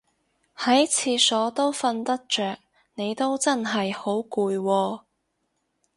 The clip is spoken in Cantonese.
喺廁所都瞓得着你都真係好攰喎